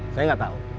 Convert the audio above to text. saya gak tau